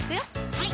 はい